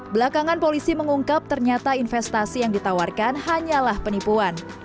belakangan polisi mengungkap ternyata investasi yang ditawarkan hanyalah penipuan